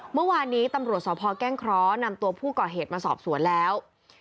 เมื่อวานนี้ตำรวจสพแก้งเคราะห์นำตัวผู้ก่อเหตุมาสอบสวนแล้ว